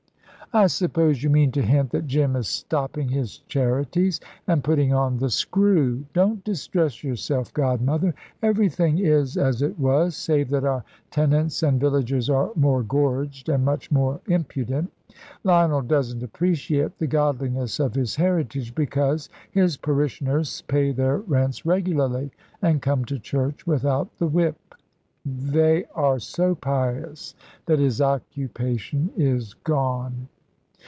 "I suppose you mean to hint that Jim is stopping his charities and putting on the screw. Don't distress yourself, godmother; everything is as it was, save that our tenants and villagers are more gorged and much more impudent. Lionel doesn't appreciate the godliness of his heritage, because his parishioners pay their rents regularly and come to church without the whip. They are so pious that his occupation is gone."